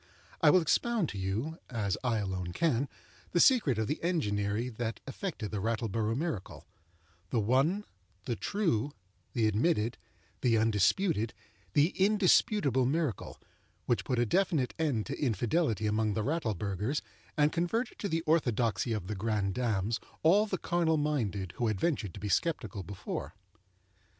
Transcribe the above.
I will expound to you—as I alone can—the secret of the enginery that effected the Rattleborough miracle—the one, the true, the admitted, the undisputed, the indisputable miracle, which put a definite end to infidelity among the Rattleburghers and converted to the orthodoxy of the grandames all the carnal minded who had ventured to be sceptical before.